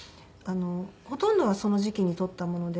ほとんどはその時期に撮ったもので。